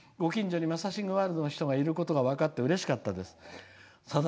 ご近所にマサキングワールドがいたことがうれしかったです。